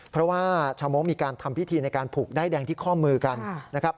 เพราะว่าชาวโม้งมีการทำพิธีในการผูกด้ายแดงที่ข้อมือกันนะครับ